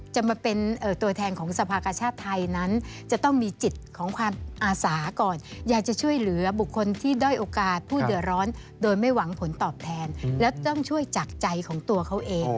จะมาเป็นตัวแทนของสภากชาติไทยนั้นจะต้องมีจิตของความอาสาก่อนอยากจะช่วยเหลือบุคคลที่ด้อยโอกาสผู้เดือดร้อนโดยไม่หวังผลตอบแทนแล้วต้องช่วยจากใจของตัวเขาเอง